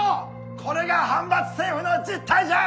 これが藩閥政府の実態じゃ！